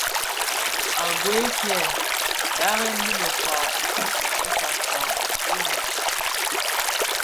A gwei fyi dharen dhi bekpag Bassassa ngõrrõ .